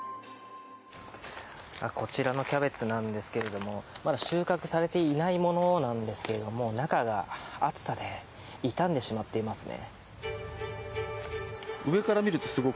こちらのキャベツなんですがまだ収穫されていないものなんですが中が暑さで傷んでしまっていますね。